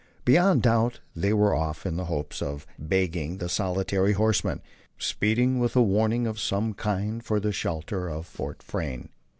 Beyond doubt they were off in hopes of bagging that solitary horseman, speeding with warning of some kind for the shelter of Fort Frayne.